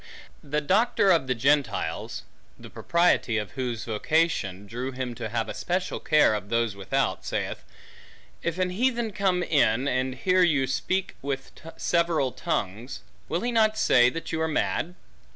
The doctor of the Gentiles (the propriety of whose vocation, drew him to have a special care of those without) saith, if an heathen come in, and hear you speak with several tongues, will he not say that you are mad?